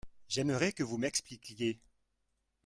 J’aimerais que vous m’expliquiez.